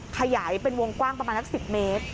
ขยายเป็นวงกว้างประมาณนัก๑๐เมตร